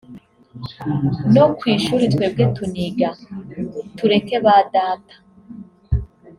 “No ku ishuri twebwe tuniga tureke ba data